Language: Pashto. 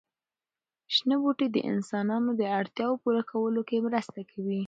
شنه بوټي د انسانانو د اړتیاوو پوره کولو کې مرسته کوي.